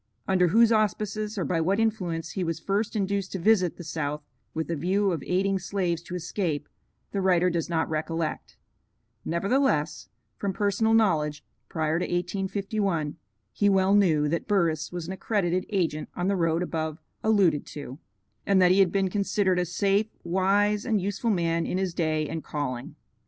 Under whose auspices or by what influence he was first induced to visit the South with a view of aiding slaves to escape, the writer does not recollect; nevertheless, from personal knowledge, prior to 1851, he well knew that Burris was an accredited agent on the road above alluded to, and that he had been considered a safe, wise, and useful man in his day and calling.